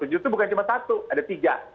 justru bukan cuma satu ada tiga